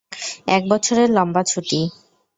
এক বছরের লম্বা ছুটি।